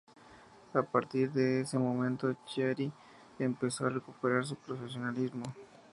A partir de ese momento Chiari empezó a recuperar su profesionalismo.